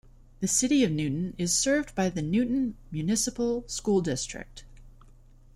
The City of Newton is served by the Newton Municipal School District.